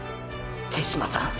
手嶋さん！！